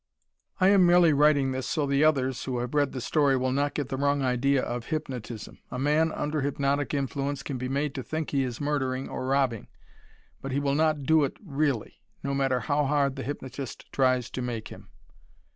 I am merely writing this so that the others who have read the story will not get the wrong idea of hypnotism. A man under hypnotic influence can be made to think he is murdering or robbing, but he will not do it really, no matter how hard the hypnotist tries to make him.